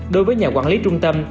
đối với nhà quản lý trung tâm